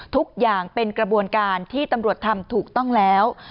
ทุกอย่างเป็นกระบวนการที่ตำรวจทำถูกต้องแล้ว